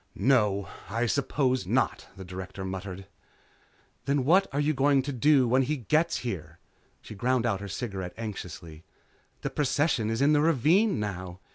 "No, I suppose not," the Director muttered. "Then what are you going to do when he gets here?" She ground out her cigarette anxiously. "The procession is in the ravine now.